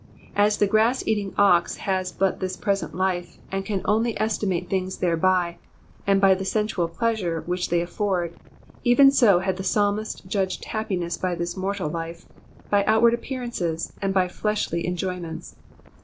As the grass eating ox nas but this present life, and can only estimate things thereby, and by the sensual pleasure which they aiford, even so had the psalmist judged happiness by this mortal life, by outward appearances, and by fleshly enjoyments.